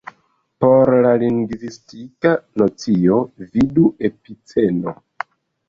Por la lingvistika nocio, vidu Epiceno.